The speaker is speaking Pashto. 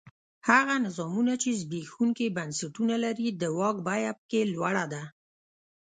هغه نظامونه چې زبېښونکي بنسټونه لري د واک بیه په کې لوړه ده.